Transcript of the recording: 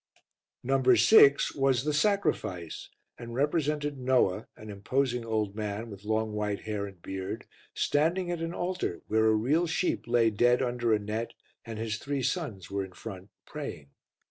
No. 6 was The Sacrifice and represented Noah, an imposing old man with long white hair and beard, standing at an altar where a real sheep lay dead under a net and his three sons were in front praying.